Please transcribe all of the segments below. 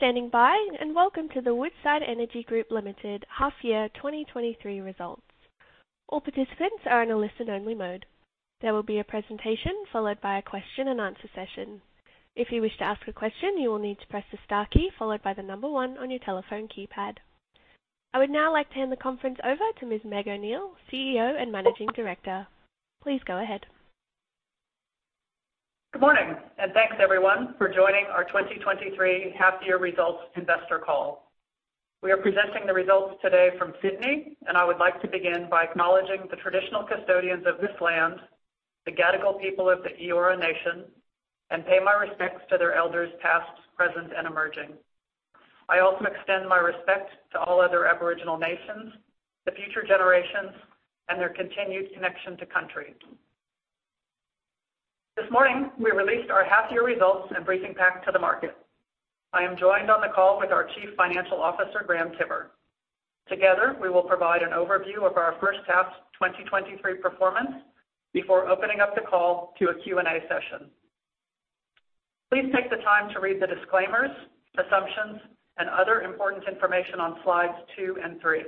Thank you for standing by. Welcome to the Woodside Energy Group Ltd Half Year 2023 results. All participants are in a listen-only mode. There will be a presentation followed by a question-and-answer session. If you wish to ask a question, you will need to press the star key followed by one on your telephone keypad. I would now like to hand the conference over to Ms. Meg O'Neill, CEO and Managing Director. Please go ahead. Good morning, thanks everyone for joining our 2023 half-year results investor call. We are presenting the results today from Sydney, I would like to begin by acknowledging the traditional custodians of this land, the Gadigal people of the Eora Nation, and pay my respects to their elders, past, present, and emerging. I also extend my respect to all other Aboriginal nations, the future generations, and their continued connection to country. This morning, we released our half-year results and briefing pack to the market. I am joined on the call with our Chief Financial Officer, Graham Tiver. Together, we will provide an overview of our first half 2023 performance before opening up the call to a Q&A session. Please take the time to read the disclaimers, assumptions, and other important information on slides 2 and 3.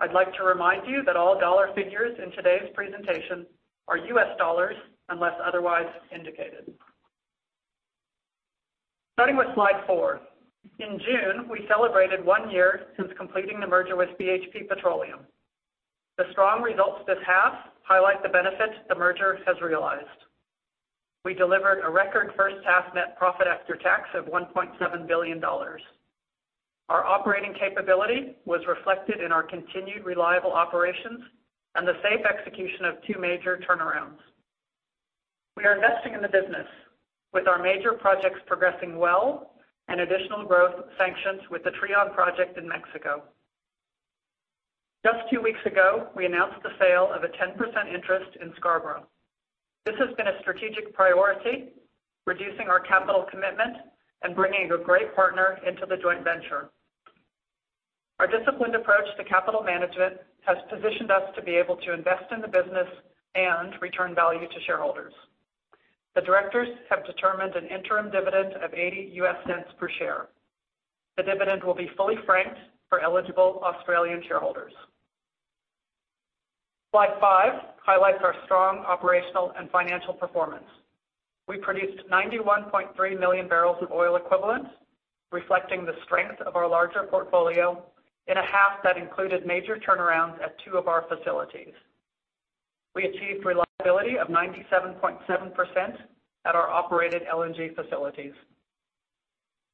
I'd like to remind you that all dollar figures in today's presentation are U.S. dollars, unless otherwise indicated. Starting with slide four. In June, we celebrated one year since completing the merger with BHP Petroleum. The strong results this half highlight the benefits the merger has realized. We delivered a record first half net profit after tax of $1.7 billion. Our operating capability was reflected in our continued reliable operations and the safe execution of two major turnarounds. We are investing in the business with our major projects progressing well and additional growth sanctions with the Trion project in Mexico. Just two weeks ago, we announced the sale of a 10% interest in Scarborough. This has been a strategic priority, reducing our capital commitment and bringing a great partner into the joint venture. Our disciplined approach to capital management has positioned us to be able to invest in the business and return value to shareholders. The directors have determined an interim dividend of $0.80 per share. The dividend will be fully franked for eligible Australian shareholders. Slide five highlights our strong operational and financial performance. We produced 91.3 million barrels of oil equivalent, reflecting the strength of our larger portfolio in a half that included major turnarounds at two of our facilities. We achieved reliability of 97.7% at our operated LNG facilities.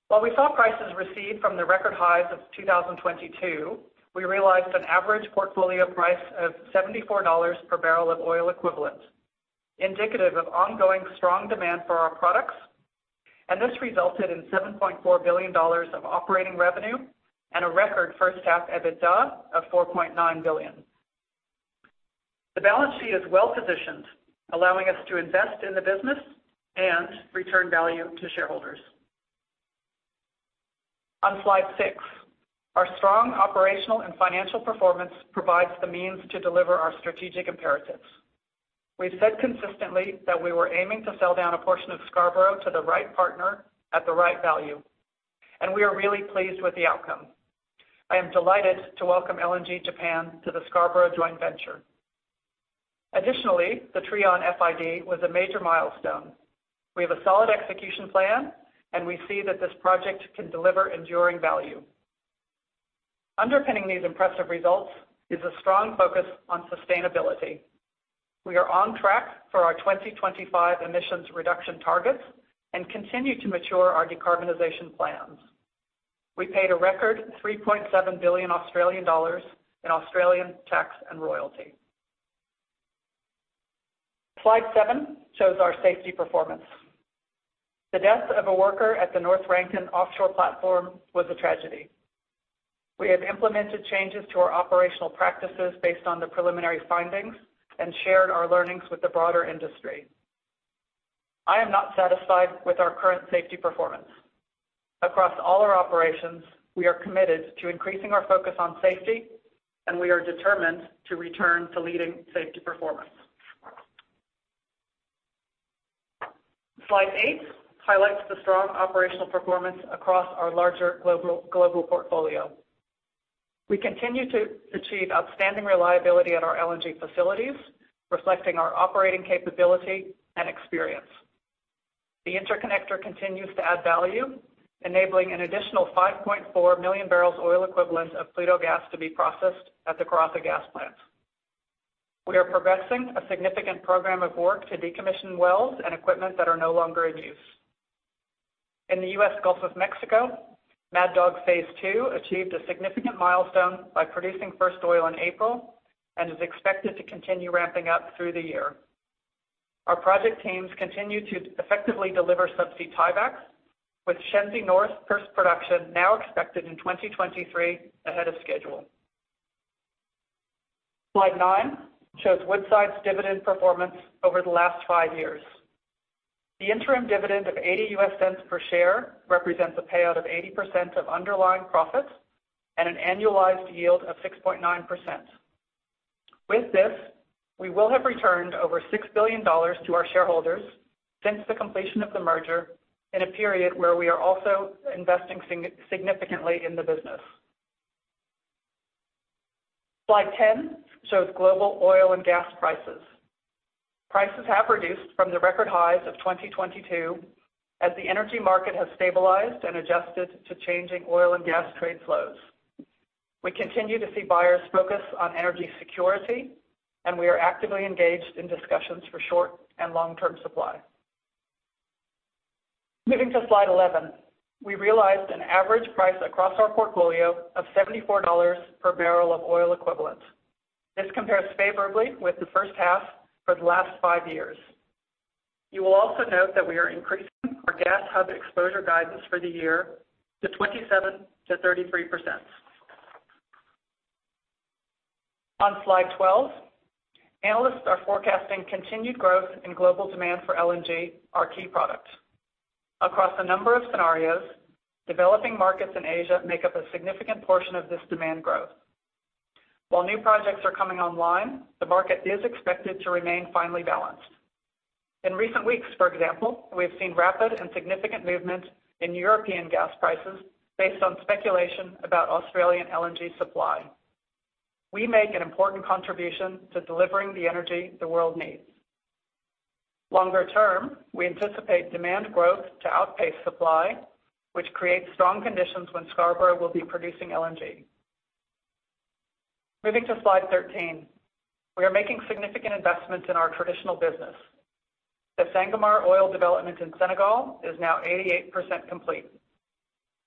While we saw prices recede from the record highs of 2022, we realized an average portfolio price of $74 per barrel of oil equivalent, indicative of ongoing strong demand for our products. This resulted in $7.4 billion of operating revenue and a record first half EBITDA of $4.9 billion. The balance sheet is well-positioned, allowing us to invest in the business and return value to shareholders. On slide six, our strong operational and financial performance provides the means to deliver our strategic imperatives. We've said consistently that we were aiming to sell down a portion of Scarborough to the right partner at the right value. We are really pleased with the outcome. I am delighted to welcome LNG Japan to the Scarborough Joint Venture. Additionally, the Trion FID was a major milestone. We have a solid execution plan, we see that this project can deliver enduring value. Underpinning these impressive results is a strong focus on sustainability. We are on track for our 2025 emissions reduction targets and continue to mature our decarbonization plans. We paid a record 3.7 billion Australian dollars in Australian tax and royalty. Slide seven shows our safety performance. The death of a worker at the North Rankin offshore platform was a tragedy. We have implemented changes to our operational practices based on the preliminary findings and shared our learnings with the broader industry. I am not satisfied with our current safety performance. Across all our operations, we are committed to increasing our focus on safety, we are determined to return to leading safety performance. Slide 8 highlights the strong operational performance across our larger global portfolio. We continue to achieve outstanding reliability at our LNG facilities, reflecting our operating capability and experience. The interconnector continues to add value, enabling an additional 5.4 million barrels oil equivalent of Pluto gas to be processed at the Karratha Gas Plant. We are progressing a significant program of work to decommission wells and equipment that are no longer in use. In the U.S. Gulf of Mexico, Mad Dog Phase achieved a significant milestone by producing first oil in April and is expected to continue ramping up through the year. Our project teams continue to effectively deliver subsea tiebacks, with Shenzi North first production now expected in 2023 ahead of schedule. Slide nine shows Woodside's dividend performance over the last five years. The interim dividend of $0.80 per share represents a payout of 80% of underlying profits and an annualized yield of 6.9%. With this, we will have returned over $6 billion to our shareholders since the completion of the merger, in a period where we are also investing significantly in the business. Slide 10 shows global oil and gas prices. Prices have reduced from the record highs of 2022 as the energy market has stabilized and adjusted to changing oil and gas trade flows. We continue to see buyers focus on energy security. We are actively engaged in discussions for short and long-term supply. Moving to slide 11. We realized an average price across our portfolio of $74 per barrel of oil equivalent. This compares favorably with the first half for the last five years. You will also note that we are increasing our gas hub exposure guidance for the year to 27%-33%. On slide 12, analysts are forecasting continued growth in global demand for LNG, our key product. Across a number of scenarios, developing markets in Asia make up a significant portion of this demand growth. While new projects are coming online, the market is expected to remain finely balanced. In recent weeks, for example, we have seen rapid and significant movement in European gas prices based on speculation about Australian LNG supply. We make an important contribution to delivering the energy the world needs. Longer term, we anticipate demand growth to outpace supply, which creates strong conditions when Scarborough will be producing LNG. Moving to slide 13. We are making significant investments in our traditional business. The Sangomar oil development in Senegal is now 88% complete.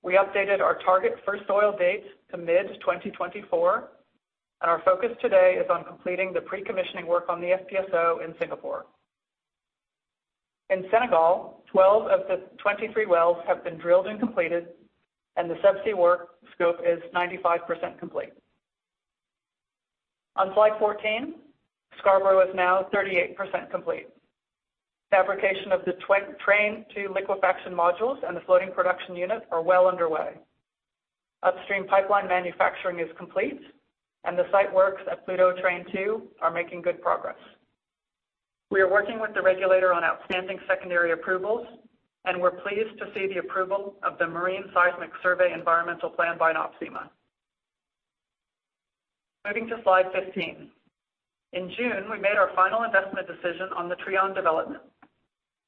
We updated our target first oil date to mid-2024, our focus today is on completing the pre-commissioning work on the FPSO in Singapore. In Senegal, 12 of the 23 wells have been drilled and completed, the subsea work scope is 95% complete. On slide 14, Scarborough is now 38% complete. Fabrication of the Train two liquefaction modules and the floating production unit are well underway. Upstream pipeline manufacturing is complete, the site works at Pluto Train two are making good progress. We are working with the regulator on outstanding secondary approvals, we're pleased to see the approval of the Marine Seismic Survey environmental plan by NOPSEMA. Moving to slide 15. In June, we made our final investment decision on the Trion development.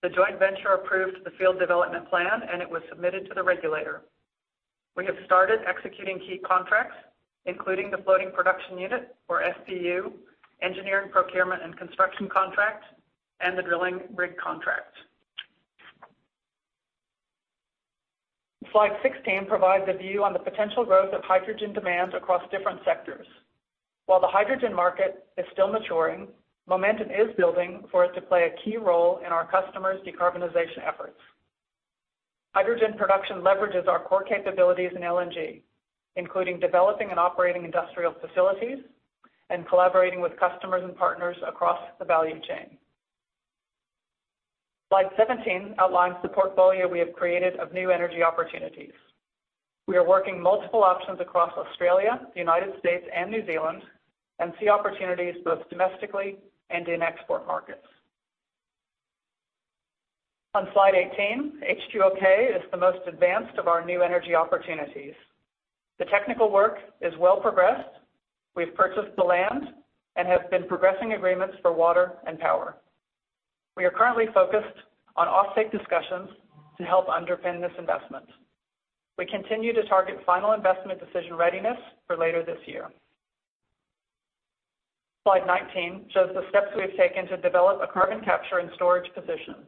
The joint venture approved the field development plan, it was submitted to the regulator. We have started executing key contracts, including the floating production unit, or FPU, engineering, procurement, and construction contract, and the drilling rig contract. Slide 16 provides a view on the potential growth of hydrogen demand across different sectors. While the hydrogen market is still maturing, momentum is building for it to play a key role in our customers' decarbonization efforts. Hydrogen production leverages our core capabilities in LNG, including developing and operating industrial facilities and collaborating with customers and partners across the value chain. Slide 17 outlines the portfolio we have created of new energy opportunities. We are working multiple options across Australia, the United States, and New Zealand, and see opportunities both domestically and in export markets. On slide 18, H2OK is the most advanced of our new energy opportunities. The technical work is well progressed. We've purchased the land and have been progressing agreements for water and power. We are currently focused on offtake discussions to help underpin this investment. We continue to target final investment decision readiness for later this year. Slide 19 shows the steps we have taken to develop a carbon capture and storage position.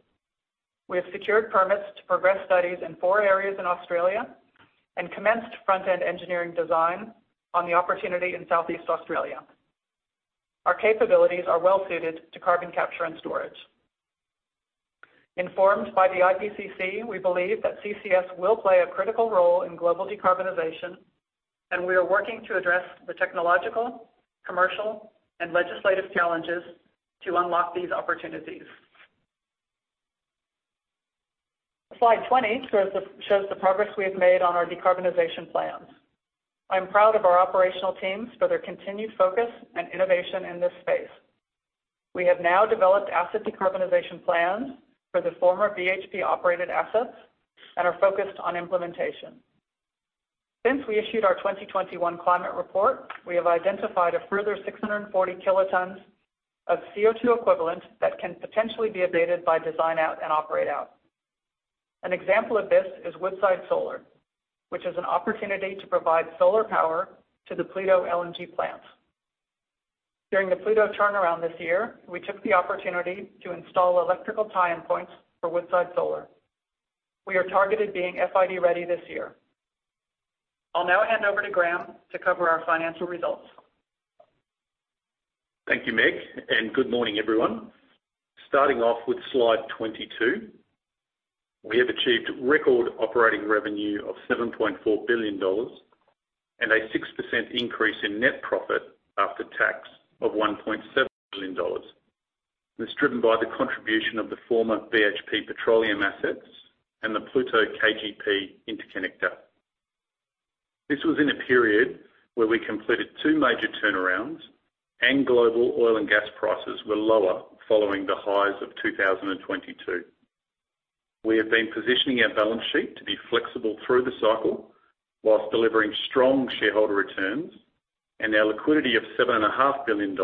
We have secured permits to progress studies in four areas in Australia and commenced front-end engineering design on the opportunity in Southeast Australia. Our capabilities are well suited to carbon capture and storage. Informed by the IPCC, we believe that CCS will play a critical role in global decarbonization, and we are working to address the technological, commercial, and legislative challenges to unlock these opportunities. Slide 20 shows the progress we have made on our decarbonization plans. I'm proud of our operational teams for their continued focus and innovation in this space. We have now developed asset decarbonization plans for the former BHP-operated assets and are focused on implementation. Since we issued our 2021 climate report, we have identified a further 640 kt of CO2 equivalent that can potentially be abated by design out and operate out. An example of this is Woodside Solar, which is an opportunity to provide solar power to the Pluto LNG plant. During the Pluto turnaround this year, we took the opportunity to install electrical tie-in points for Woodside Solar. We are targeted being FID-ready this year. I'll now hand over to Graham to cover our financial results. Thank you, Meg. Good morning, everyone. Starting off with slide 22, we have achieved record operating revenuetwoof $7.4 billion and a 6% increase in net profit after tax of $1.7 billion. This is driven by the contribution of the former BHP Petroleum assets and the Pluto-KGP Interconnector. This was in a period where we completed two major turnarounds, and global oil and gas prices were lower following the highs of 2022. We have been positioning our balance sheet to be flexible through the cycle, whilst delivering strong shareholder returns, and our liquidity of $7.5 billion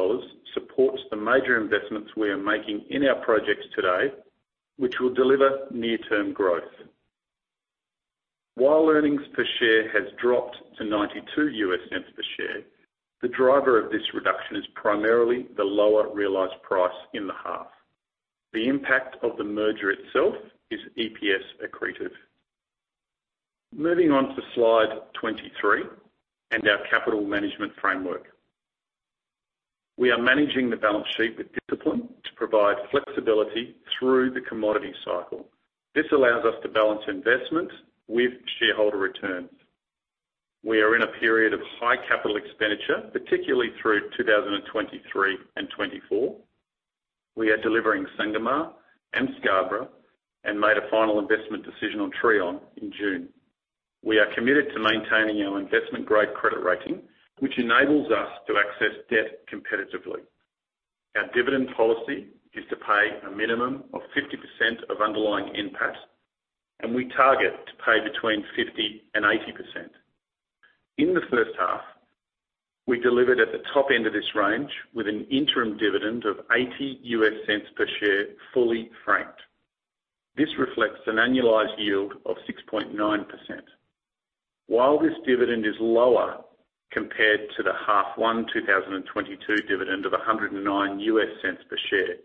supports the major investments we are making in our projects today, which will deliver near-term growth. While earnings per share has dropped to $0.92 per share, the driver of this reduction is primarily the lower realized price in the half. The impact of the merger itself is EPS accretive. Moving on to slide 23, our capital management framework. We are managing the balance sheet with discipline to provide flexibility through the commodity cycle. This allows us to balance investment with shareholder returns. We are in a period of high capital expenditure, particularly through 2023 and 2024. We are delivering Sangomar and Scarborough, and made a final investment decision on Trion in June. We are committed to maintaining our investment-grade credit rating, which enables us to access debt competitively. Our dividend policy is to pay a minimum of 50% of underlying NPAT, and we target to pay between 50% and 80%. In the first half, we delivered at the top end of this range, with an interim dividend of $0.80 per share, fully franked. This reflects an annualized yield of 6.9%. While this dividend is lower compared to the half one, 2022 dividend of $1.09 per share,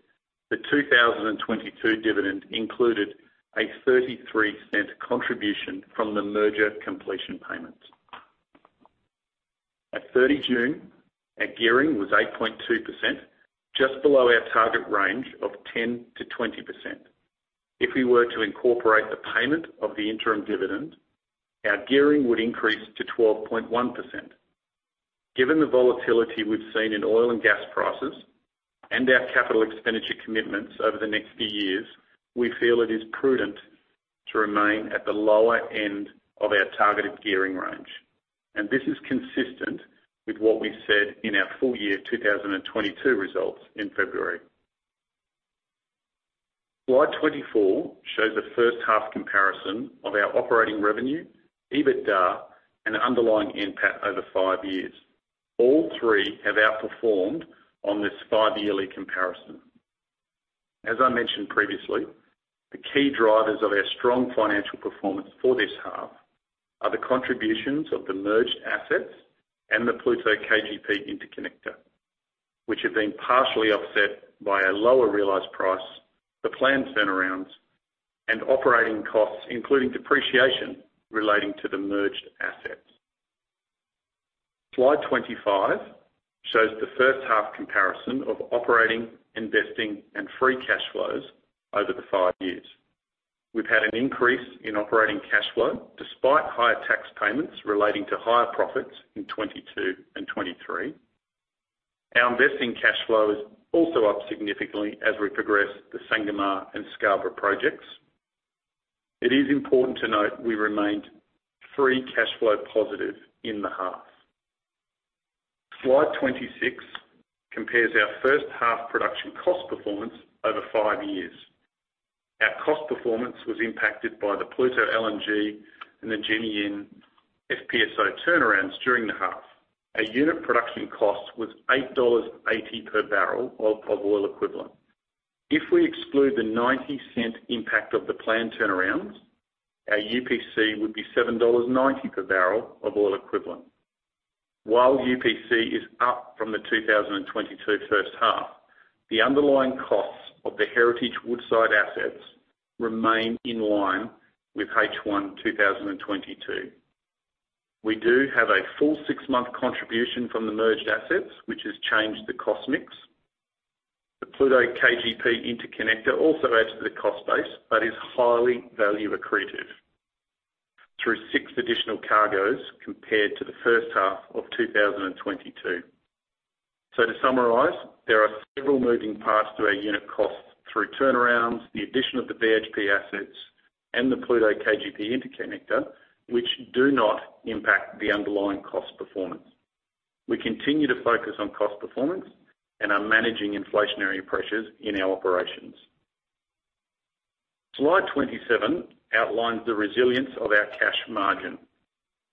the 2022 dividend included a $0.33 contribution from the merger completion payment. At 30th June, our gearing was 8.2%, just below our target range of 10%-20%. If we were to incorporate the payment of the interim dividend, our gearing would increase to 12.1%. Given the volatility we've seen in oil and gas prices and our capital expenditure commitments over the next few years, we feel it is prudent to remain at the lower end of our targeted gearing range. This is consistent with what we said in our full year 2022 results in February. Slide 24 shows a first half comparison of our operating revenue, EBITDA, and underlying NPAT over five years. All three have outperformed on this five-yearly comparison. As I mentioned previously, the key drivers of our strong financial performance for this half are the contributions of the merged assets and the Pluto-KGP Interconnector, which have been partially offset by a lower realized price, the planned turnarounds, and operating costs, including depreciation relating to the merged assets. Slide 25 shows the first half comparison of operating, investing, and free cash flows over the five years. We've had an increase in operating cash flow despite higher tax payments relating to higher profits in 2022 and 2023. Our investing cash flow is also up significantly as we progress the Sangomar and Scarborough projects. It is important to note we remained free cash flow positive in the half. Slide 26 compares our first half production cost performance over five years. Our cost performance was impacted by the Pluto LNG and the Ngujima-Yin FPSO turnarounds during the half. Our unit production cost was $8.80 per barrel of oil equivalent. If we exclude the $0.90 impact of the planned turnarounds, our UPC would be $7.90 per barrel of oil equivalent. While UPC is up from the 2022 first half, the underlying costs of the Heritage Woodside assets remain in line with H1 2022. We do have a full six-month contribution from the merged assets, which has changed the cost mix. The Pluto KGP Interconnector also adds to the cost base, is highly value accretive through six additional cargoes compared to the first half of 2022. To summarize, there are several moving parts to our unit costs through turnarounds, the addition of the BHP assets, and the Pluto KGP Interconnector, which do not impact the underlying cost performance. We continue to focus on cost performance and are managing inflationary pressures in our operations. Slide 27 outlines the resilience of our cash margin.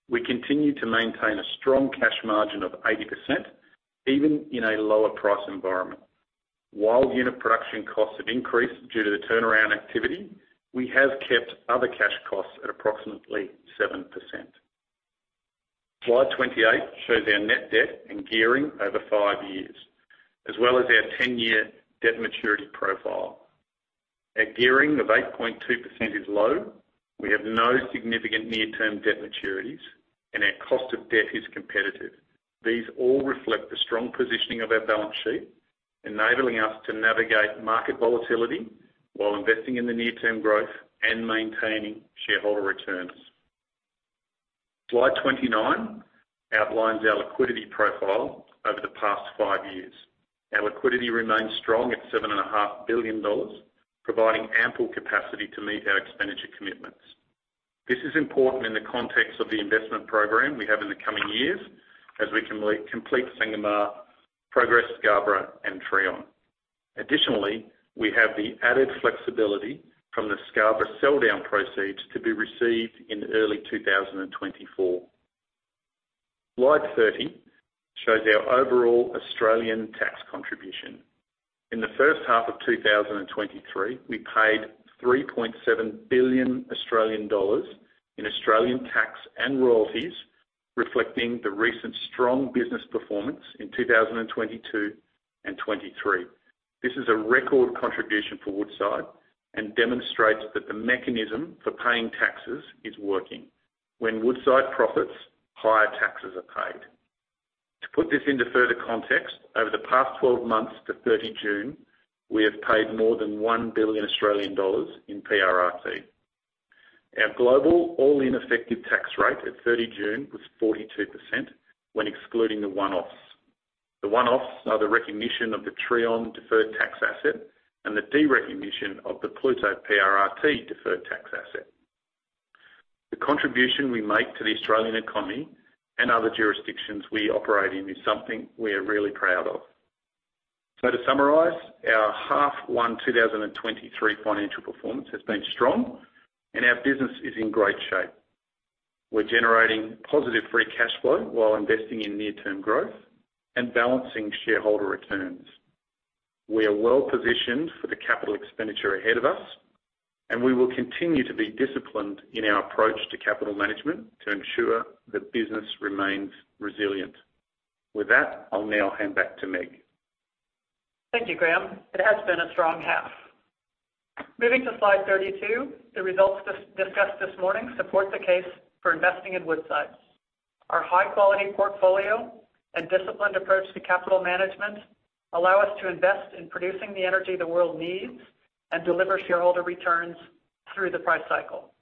We continue to maintain a strong cash margin of 80%, even in a lower price environment. While unit production costs have increased due to the turnaround activity, we have kept other cash costs at approximately 7%. Slide 28 shows our net debt and gearing over five years, as well as our 10-year debt maturity profile. Our gearing of 8.2% is low, we have no significant near-term debt maturities, and our cost of debt is competitive. These all reflect the strong positioning of our balance sheet, enabling us to navigate market volatility while investing in the near-term growth and maintaining shareholder returns. Slide 29 outlines our liquidity profile over the past five years. Our liquidity remains strong at $7.5 billion, providing ample capacity to meet our expenditure commitments. This is important in the context of the investment program we have in the coming years, as we complete Sangomar, Progress, Scarborough, and Trion. Additionally, we have the added flexibility from the Scarborough sell down proceeds to be received in early 2024. Slide 30 shows our overall Australian tax contribution. In the first half of 2023, we paid 3.7 billion Australian dollars in Australian tax and royalties, reflecting the recent strong business performance in 2022 and 2023. This is a record contribution for Woodside and demonstrates that the mechanism for paying taxes is working. When Woodside profits, higher taxes are paid. To put this into further context, over the past 12 months to 30th June, we have paid more than 1 billion Australian dollars in PRRT. Our global all-in effective tax rate at 30 June was 42% when excluding the one-offs. The one-offs are the recognition of the Trion deferred tax asset and the derecognition of the Pluto PRRT deferred tax asset. The contribution we make to the Australian economy and other jurisdictions we operate in is something we are really proud of. To summarize, our 1H 2023 financial performance has been strong, and our business is in great shape. We're generating positive free cash flow while investing in near-term growth and balancing shareholder returns. We are well positioned for the capital expenditure ahead of us, and we will continue to be disciplined in our approach to capital management to ensure the business remains resilient. With that, I'll now hand back to Meg. Thank you, Graham. It has been a strong half. Moving to slide 32, the results discussed this morning support the case for investing in Woodside. Our high-quality portfolio and disciplined approach to capital management allow us to invest in producing the energy the world needs and deliver shareholder returns through the price cycle.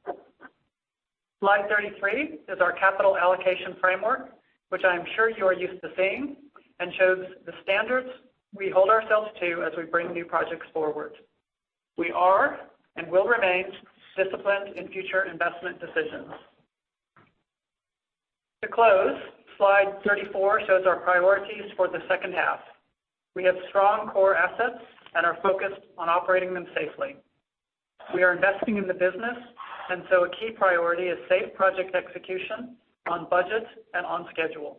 Slide 33 is our capital allocation framework, which I am sure you are used to seeing, shows the standards we hold ourselves to as we bring new projects forward. We are, and will remain disciplined in future investment decisions. To close, slide 34 shows our priorities for the second half. We have strong core assets and are focused on operating them safely. We are investing in the business, a key priority is safe project execution on budget and on schedule.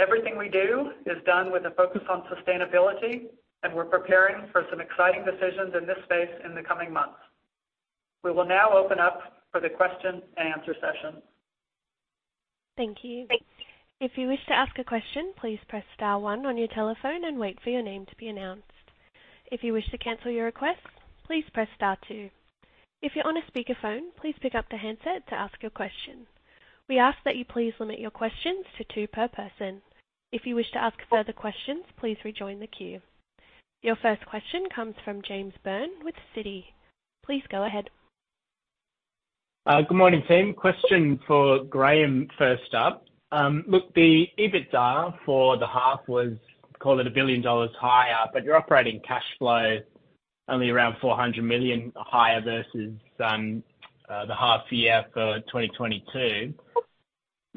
Everything we do is done with a focus on sustainability, and we're preparing for some exciting decisions in this space in the coming months. We will now open up for the question and answer session. Thank you. If you wish to ask a question, please Press Star one on your telephone and wait for your name to be announced. If you wish to cancel your request, please Press Star two. If you're on a speakerphone, please pick up the handset to ask your question. We ask that you please limit your questions to two per person. If you wish to ask further questions, please rejoin the queue. Your first question comes from James Byrne with Citi. Please go ahead. Good morning, team. Question for Graham, first up. Look, the EBITDA for the half was, call it $1 billion higher, but your operating cash flow only around $400 million higher versus the half year for 2022.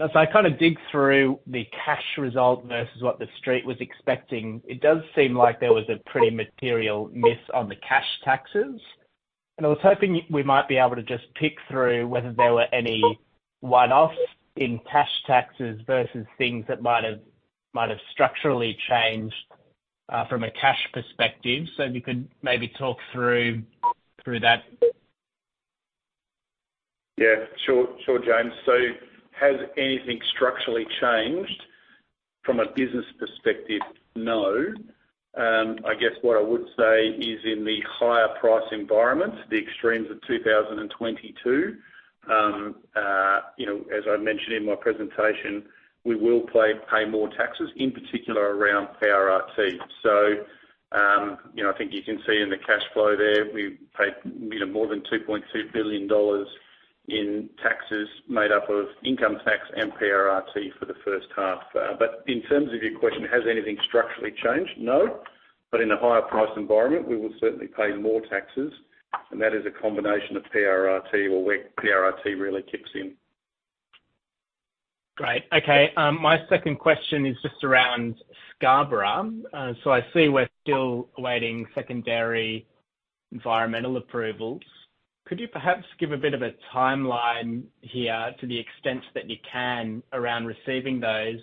As I kind of dig through the cash result versus what the street was expecting, it does seem like there was a pretty material miss on the cash taxes. I was hoping we might be able to just pick through whether there were any one-offs in cash taxes versus things that might have, might have structurally changed from a cash perspective. If you could maybe talk through, through that? Yeah, sure, sure, James. Has anything structurally changed from a business perspective? No. I guess what I would say is in the higher price environment, the extremes of 2022, you know, as I mentioned in my presentation, we will pay more taxes, in particular around PRRT. I think you can see in the cash flow there, we paid, you know, more than 2.2 billion dollars in taxes made up of income tax and PRRT for the first half. In terms of your question, has anything structurally changed? No, in a higher price environment, we will certainly pay more taxes, and that is a combination of PRRT, or where PRRT really kicks in. Great. Okay, my second question is just around Scarborough. I see we're still awaiting secondary environmental approvals. Could you perhaps give a bit of a timeline here, to the extent that you can, around receiving those?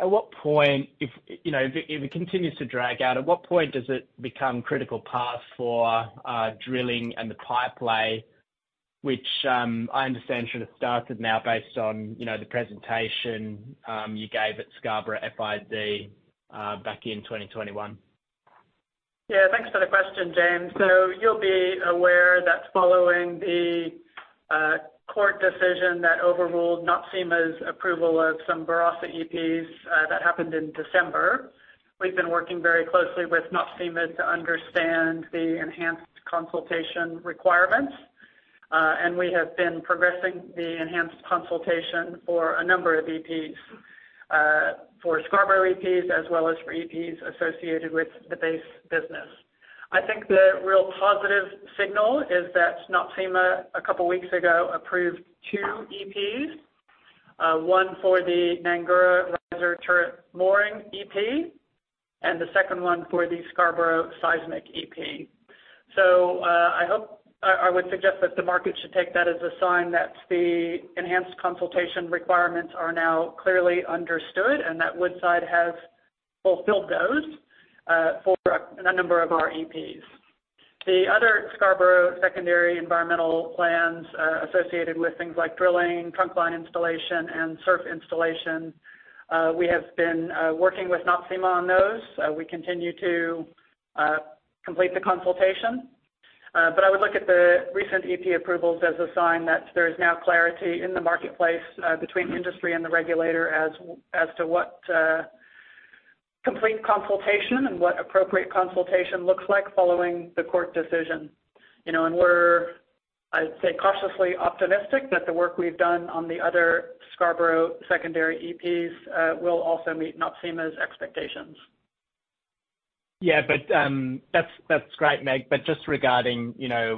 At what point, if, you know, if it continues to drag out, at what point does it become critical path for drilling and the pipe lay, which, I understand should have started now based on, you know, the presentation you gave at Scarborough FID back in 2021. Yeah, thanks for the question, James. You'll be aware that following the court decision that overruled NOPSEMA's approval of some Barossa EPs, that happened in December, we've been working very closely with NOPSEMA to understand the enhanced consultation requirements. And we have been progressing the enhanced consultation for a number of EPs, for Scarborough EPs, as well as for EPs associated with the base business. I think the real positive signal is that NOPSEMA, a couple of weeks ago, approved two EPs, one for the Nganhurra riser turret mooring EP, and the second one for the Scarborough Seismic EP. I hope, I, I would suggest that the market should take that as a sign that the enhanced consultation requirements are now clearly understood, and that Woodside has fulfilled those for a number of our EPs. The other Scarborough secondary environmental plans associated with things like drilling, trunkline installation, and surf installation, we have been working with NOPSEMA on those. We continue to complete the consultation, I would look at the recent EP approvals as a sign that there is now clarity in the marketplace between industry and the regulator as to what complete consultation and what appropriate consultation looks like following the court decision. You know, we're, I'd say, cautiously optimistic that the work we've done on the other Scarborough secondary EPs will also meet NOPSEMA's expectations. That's, that's great, Meg, but just regarding, you know,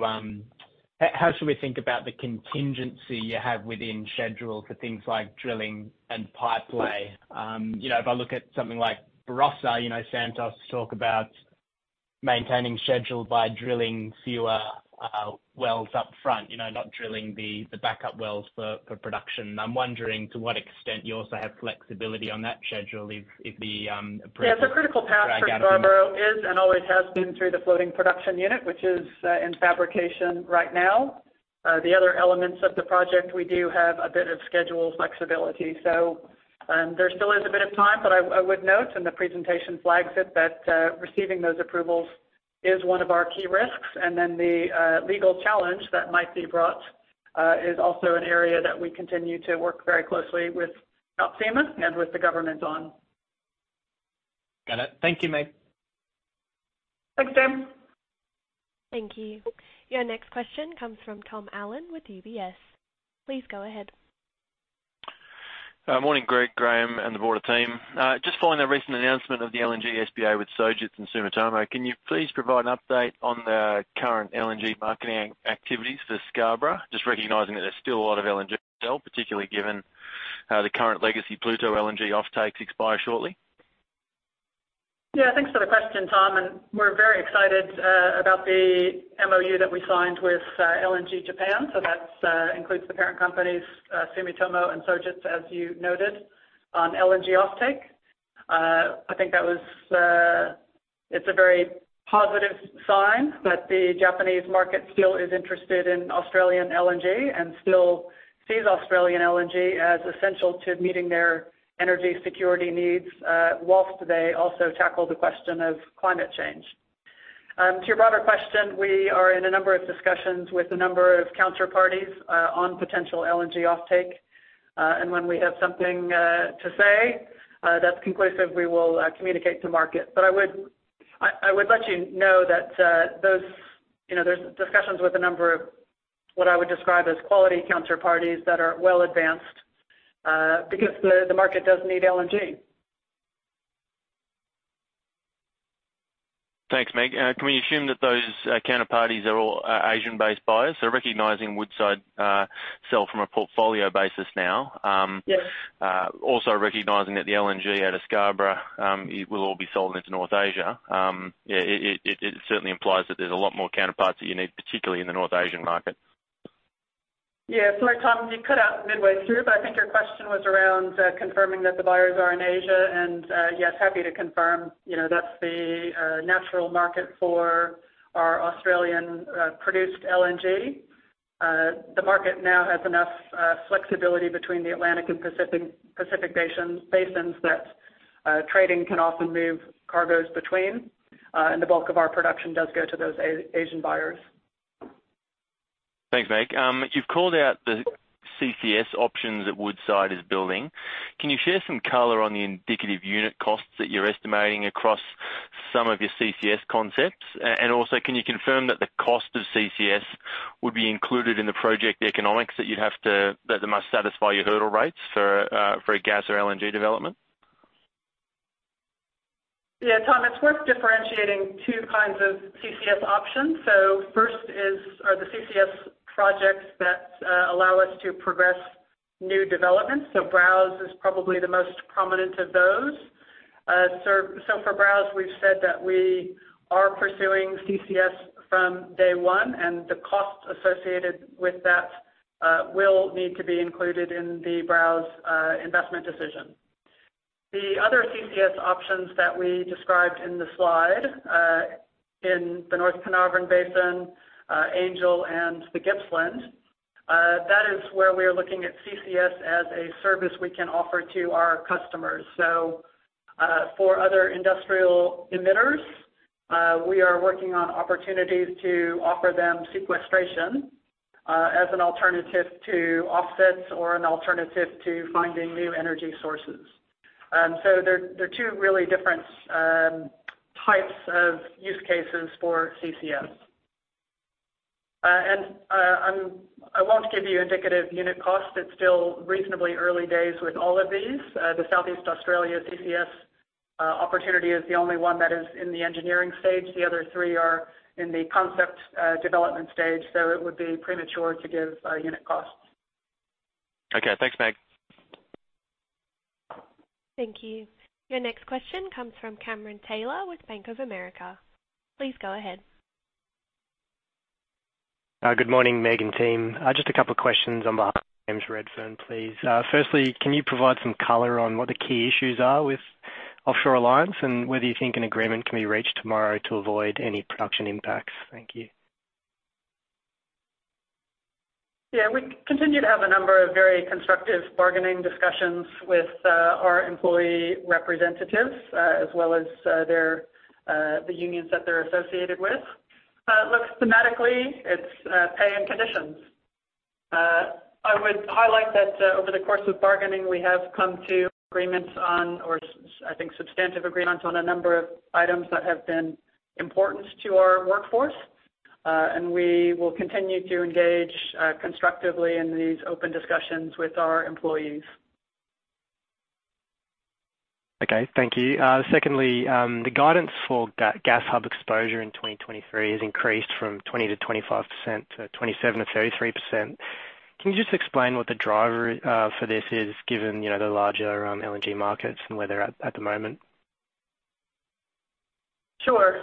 how, how should we think about the contingency you have within schedule for things like drilling and pipelay? You know, if I look at something like Barossa, you know, Santos talk about maintaining schedule by drilling fewer wells up front, you know, not drilling the, the backup wells for, for production. I'm wondering to what extent you also have flexibility on that schedule if, if the approval. Yeah, the critical path for Scarborough is, and always has been, through the floating production unit, which is in fabrication right now. The other elements of the project, we do have a bit of schedule flexibility, so, there still is a bit of time, but I, I would note, in the presentation flags it, that receiving those approvals is one of our key risks. The legal challenge that might be brought is also an area that we continue to work very closely with NOPSEMA and with the government on. Got it. Thank you, Meg. Thanks, Sam. Thank you. Your next question comes from Tom Allen with UBS. Please go ahead. Morning, Greg, Graham, and the board team. Just following the recent announcement of the LNG SPA with Sojitz and Sumitomo, can you please provide an update on the current LNG marketing activities for Scarborough? Just recognizing that there's still a lot of LNG to sell, particularly given the current legacy Pluto LNG offtakes expire shortly. Yeah, thanks for the question, Tom, and we're very excited about the MOU that we signed with LNG Japan. That's includes the parent companies Sumitomo and Sojitz, as you noted, on LNG offtake. I think that was it's a very positive sign that the Japanese market still is interested in Australian LNG and still sees Australian LNG as essential to meeting their energy security needs, whilst they also tackle the question of climate change. To your broader question, we are in a number of discussions with a number of counterparties on potential LNG offtake, and when we have something to say that's conclusive, we will communicate to market. I would, I, I would let you know that, those, you know, there's discussions with a number of what I would describe as quality counterparties that are well advanced, because the, the market does need LNG. Thanks, Meg. Can we assume that those counterparties are all Asian-based buyers? Recognizing Woodside, sell from a portfolio basis now... Yes. Also recognizing that the LNG out of Scarborough, it will all be sold into North Asia. It certainly implies that there's a lot more counterparts that you need, particularly in the North Asian market. Yeah. Sorry, Tom, you cut out midway through, but I think your question was around confirming that the buyers are in Asia, and yes, happy to confirm, you know, that's the natural market for our Australian produced LNG. The market now has enough flexibility between the Atlantic and Pacific basins, that trading can often move cargoes between, and the bulk of our production does go to those Asian buyers. Thanks, Meg. You've called out the CCS options that Woodside is building. Can you share some color on the indicative unit costs that you're estimating across some of your CCS concepts? Also, can you confirm that the cost of CCS would be included in the project economics that they must satisfy your hurdle rates for a gas or LNG development? Yeah, Tom, it's worth differentiating two kinds of CCS options. First is, are the CCS projects that allow us to progress new developments. Browse is probably the most prominent of those. For Browse, we've said that we are pursuing CCS from day one, and the costs associated with that will need to be included in the Browse investment decision. The other CCS options that we described in the slide, in the North Carnarvon Basin, Angel and the Gippsland, that is where we are looking at CCS as a service we can offer to our customers. For other industrial emitters, we are working on opportunities to offer them sequestration as an alternative to offsets or an alternative to finding new energy sources. So there, there are two really different types of use cases for CCS. I won't give you indicative unit costs. It's still reasonably early days with all of these. The Southeast Australia CCS opportunity is the only one that is in the engineering stage. The other three are in the concept development stage, so it would be premature to give unit costs. Okay. Thanks, Meg. Thank you. Your next question comes from Cameron Taylor with Bank of America. Please go ahead. Good morning, Meg and team. Just a couple of questions on behalf of James Redfern, please. Firstly, can you provide some color on what the key issues are with Offshore Alliance, and whether you think an agreement can be reached tomorrow to avoid any production impacts? Thank you. Yeah, we continue to have a number of very constructive bargaining discussions with our employee representatives, as well as their the unions that they're associated with. Look, thematically, it's pay and conditions. I would highlight that over the course of bargaining, we have come to agreements on, or I think, substantive agreements on a number of items that have been important to our workforce. We will continue to engage constructively in these open discussions with our employees. Okay, thank you. Secondly, the guidance for gas hub exposure in 2023 has increased from 20%-25% to 27%-33%. Can you just explain what the driver for this is, given, you know, the larger, LNG markets and where they're at at the moment? Sure.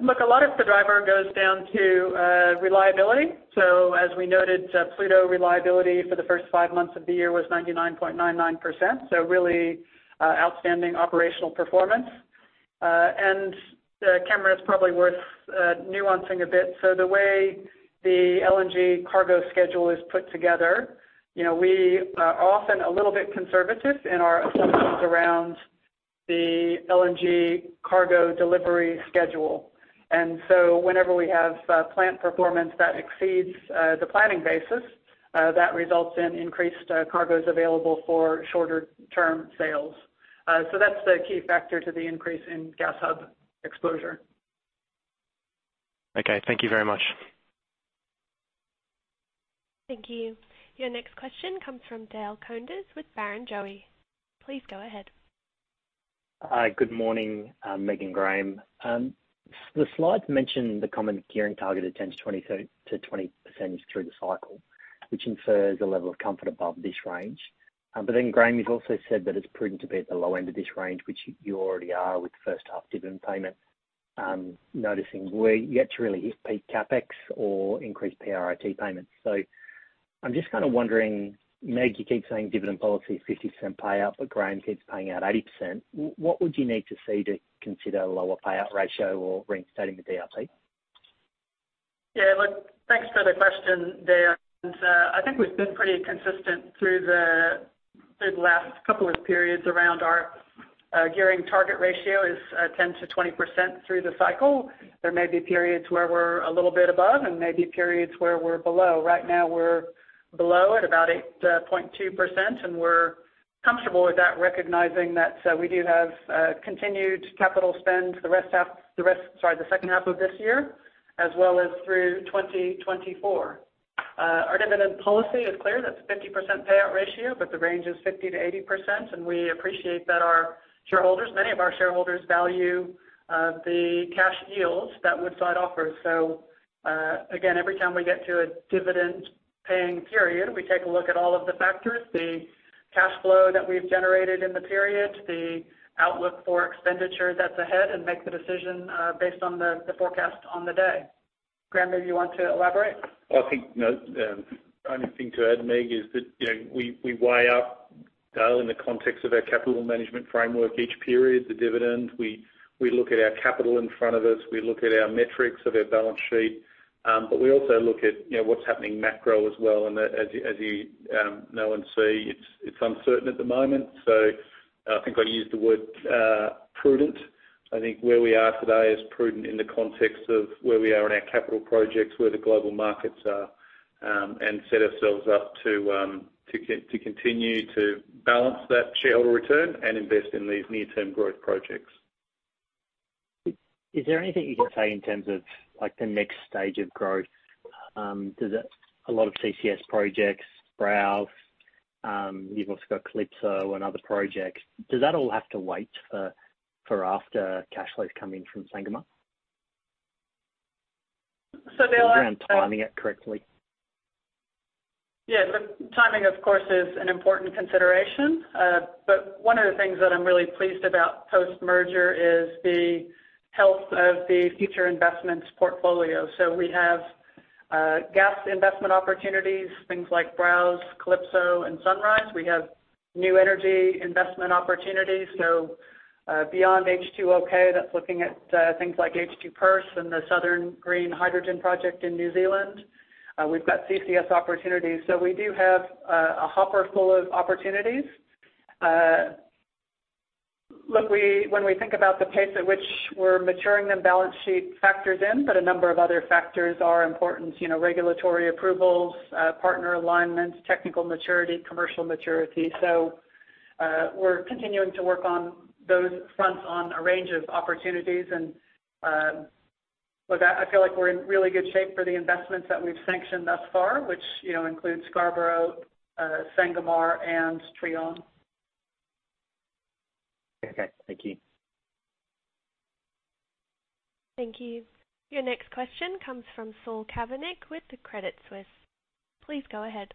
Look, a lot of the driver goes down to reliability. As we noted, Pluto reliability for the first five months of the year was 99.99%, so really outstanding operational performance. Cameron, it's probably worth nuancing a bit. The way the LNG cargo schedule is put together, you know, we are often a little bit conservative in our assessments around the LNG cargo delivery schedule. Whenever we have plant performance that exceeds the planning basis, that results in increased cargoes available for shorter-term sales. That's the key factor to the increase in gas hub exposure. Okay, thank you very much. Thank you. Your next question comes from Dale Koenders with Barrenjoey. Please go ahead. Hi, good morning, Meg and Graham. The slide mentioned the common gearing target of 10-20% through the cycle, which infers a level of comfort above this range. Then, Graham, you've also said that it's prudent to be at the low end of this range, which you already are with the 1st half dividend payment. Noticing where you yet to really hit peak CapEx or increase PRRT payments. I'm just kind of wondering, Meg, you keep saying dividend policy is 50% payout, but Graham keeps paying out 80%. What would you need to see to consider a lower payout ratio or reinstating the DRP? Yeah, look, thanks for the question, Dale. I think we've been pretty consistent through the, through the last couple of periods around our gearing target ratio is 10%-20% through the cycle. There may be periods where we're a little bit above and maybe periods where we're below. Right now, we're below at about 8.2%, and we're comfortable with that, recognizing that we do have continued capital spend the second half of this year, as well as through 2024. Our dividend policy is clear. That's 50% payout ratio, but the range is 50%-80%, and we appreciate that our shareholders, many of our shareholders value the cash yields that Woodside offers. Again, every time we get to a dividend paying period, we take a look at all of the factors, the cash flow that we've generated in the period, the outlook for expenditure that's ahead, and make the decision, based on the, the forecast on the day. Graham, do you want to elaborate? I think, you know, only thing to add, Meg, is that, you know, we, we weigh up, Dale, in the context of our capital management framework, each period, the dividend. We, we look at our capital in front of us, we look at our metrics of our balance sheet, but we also look at, you know, what's happening macro as well. As you, as you, know and see, it's, it's uncertain at the moment. I think I used the word prudent. I think where we are today is prudent in the context of where we are in our capital projects, where the global markets are, and set ourselves up to continue to balance that shareholder return and invest in these near-term growth projects. Is there anything you can say in terms of, like, the next stage of growth? Does a lot of CCS projects, Browse, you've also got Calypso and other projects, does that all have to wait for, for after cash flows come in from Sangomar? So they'll- Around timing it correctly. Yeah, the timing, of course, is an important consideration. One of the things that I'm really pleased about post-merger is the health of the future investments portfolio. We have gas investment opportunities, things like Browse, Calypso and Sunrise. We have new energy investment opportunities, so, beyond H2OK, that's looking at things like H2Perth and the Southern Green Hydrogen project in New Zealand. We've got CCS opportunities, so we do have a hopper full of opportunities. Look, we, when we think about the pace at which we're maturing the balance sheet factors in, a number of other factors are important, you know, regulatory approvals, partner alignment, technical maturity, commercial maturity. We're continuing to work on those fronts on a range of opportunities. With that, I feel like we're in really good shape for the investments that we've sanctioned thus far, which, you know, includes Scarborough, Sangomar, and Trion. Okay. Thank you. Thank you. Your next question comes from Saul Kavanagh with the Credit Suisse. Please go ahead.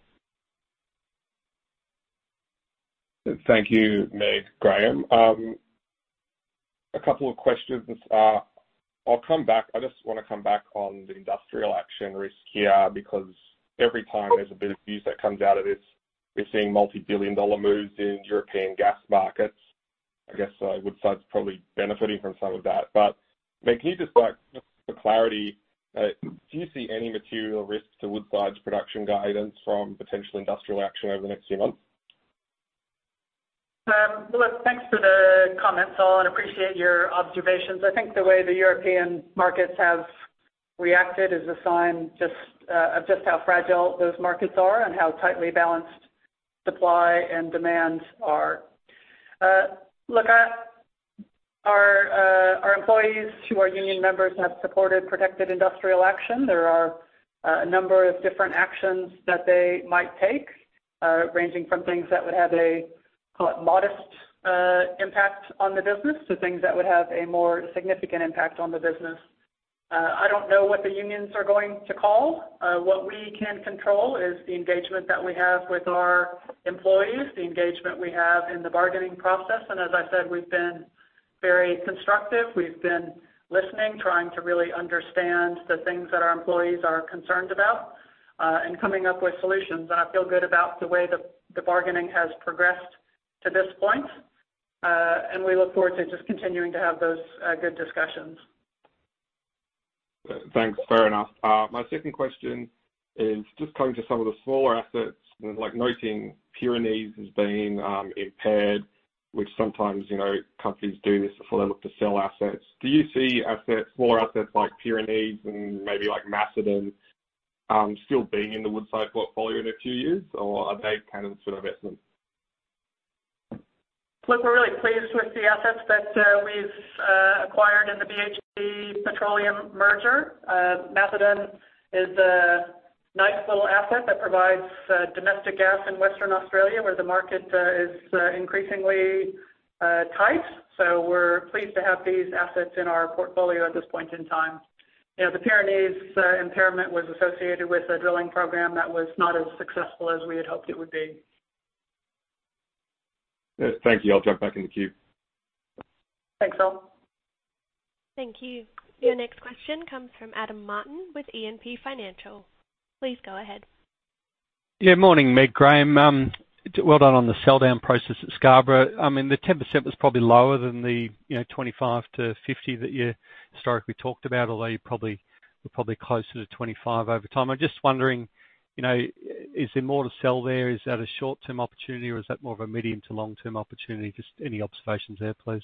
Thank you, Meg Graham. A couple of questions. I just wanna come back on the industrial action risk here, because every time there's a bit of news that comes out of this, we're seeing multibillion-dollar moves in European gas markets. one guess, Woodside's probably benefiting from some of that. Meg, can you just like, just for clarity, do you see any material risks to Woodside's production guidance from potential industrial action over the next few months? Well, look, thanks for the comments, Saul, and appreciate your observations. I think the way the European markets have reacted is a sign just of just how fragile those markets are and how tightly balanced supply and demand are. Look, our, our employees who are union members have supported protected industrial action. There are a number of different actions that they might take, ranging from things that would have a, call it, modest impact on the business, to things that would have a more significant impact on the business. I don't know what the unions are going to call. What we can control is the engagement that we have with our employees, the engagement we have in the bargaining process, and as I said, we've been very constructive. We've been listening, trying to really understand the things that our employees are concerned about, and coming up with solutions. I feel good about the way the, the bargaining has progressed to this point, and we look forward to just continuing to have those good discussions. Thanks. Fair enough. My second question is just coming to some of the smaller assets, and noting Pyrenees has been impaired, which sometimes, you know, companies do this before they look to sell assets. Do you see assets, smaller assets like Pyrenees and maybe like Macedon, still being in the Woodside portfolio in a few years, or are they kind of for investment? Look, we're really pleased with the assets that we've acquired in the BHP Petroleum merger. Macedon is a nice little asset that provides domestic gas in Western Australia, where the market is increasingly tight. We're pleased to have these assets in our portfolio at this point in time. You know, the Pyrenees impairment was associated with a drilling program that was not as successful as we had hoped it would be. Thank you. I'll jump back in the queue. Thanks, Saul. Thank you. Your next question comes from Adam Martin with E&P Financial. Please go ahead. Yeah, morning, Meg Graham. Well done on the sell down process at Scarborough. I mean, the 10% was probably lower than the, you know, 25%-50% that you historically talked about, although you probably, were probably closer to 25% over time. I'm just wondering, you know, is there more to sell there? Is that a short-term opportunity, or is that more of a medium to long-term opportunity? Just any observations there, please.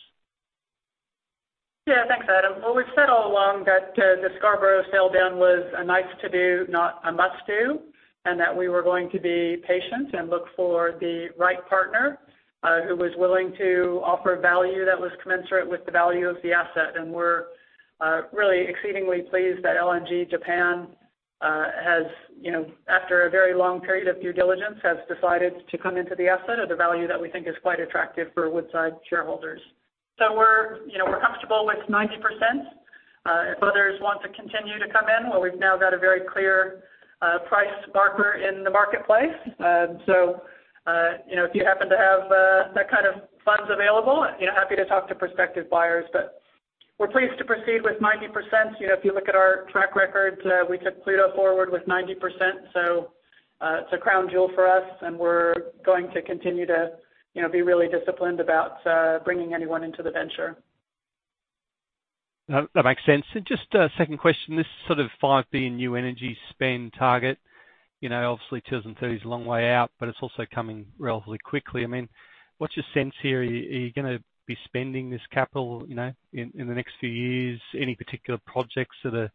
Yeah, thanks, Adam. Well, we've said all along that the Scarborough sell down was a nice to do, not a must do, that we were going to be patient and look for the right partner who was willing to offer value that was commensurate with the value of the asset. We're really exceedingly pleased that LNG Japan has, you know, after a very long period of due diligence, has decided to come into the asset at a value that we think is quite attractive for Woodside shareholders. We're, you know, we're comfortable with 90%. If others want to continue to come in, well, we've now got a very clear price marker in the marketplace. If you happen to have that kind of funds available, you know, happy to talk to prospective buyers. We're pleased to proceed with 90%. You know, if you look at our track record, we took Pluto forward with 90%, so, it's a crown jewel for us, and we're going to continue to, you know, be really disciplined about bringing anyone into the venture. That, that makes sense. Just a second question. This sort of 5 billion new energy spend target, you know, obviously 2030 is a long way out, but it's also coming relatively quickly. I mean, what's your sense here? Are you, are you gonna be spending this capital, you know, in, in the next few years? Any particular projects that are,